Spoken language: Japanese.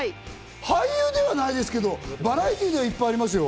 俳優ではないですけどバラエティーではいっぱいありますよ。